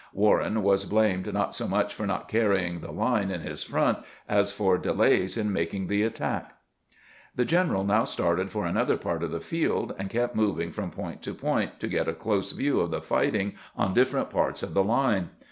"Warren was blamed not so much for not carrying the line in his front as for de lays in making the attack. The general now started for another part of the field, and kept moving from point to point to get a close view of the fighting on different parts of the line.